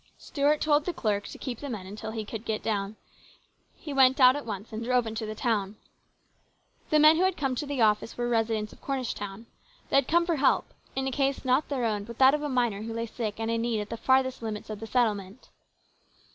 Stuart told the clerk to keep the men until he could get down. He went out at once and drove into the town. The men who had come to the office were resi dents of Cornish town. They had come for help, in a case not their own but that of a miner who lay sick and in need at the farthest limits of the settlement.